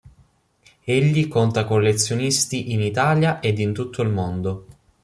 Egli conta collezionisti in Italia ed in tutto il mondo.